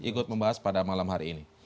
ikut membahas pada malam hari ini